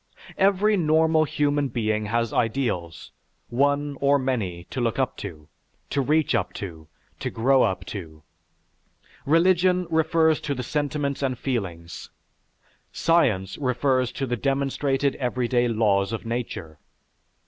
Every normal human being has ideals, one or many, to look up to, to reach up to, to grow up to. Religion refers to the sentiments and feelings; science refers to the demonstrated everyday laws of nature.